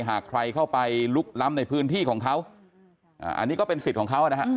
หากใครเข้าไปลุกล้ำในพื้นที่ของเขาอันนี้ก็เป็นสิทธิ์ของเขานะฮะ